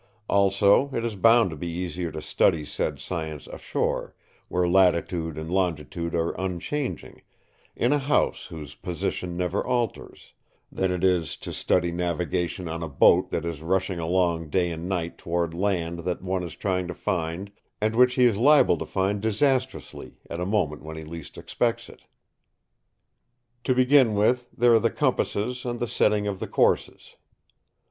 Also, it is bound to be easier to study said science ashore, where latitude and longitude are unchanging, in a house whose position never alters, than it is to study navigation on a boat that is rushing along day and night toward land that one is trying to find and which he is liable to find disastrously at a moment when he least expects it. To begin with, there are the compasses and the setting of the courses.